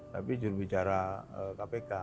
tapi jurubicara kpk